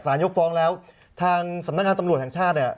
ยกฟ้องแล้วทางสำนักงานตำรวจแห่งชาติเนี่ย